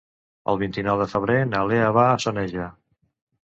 El vint-i-nou de febrer na Lea va a Soneja.